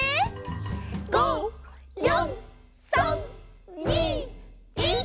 「５、４、３、２、１」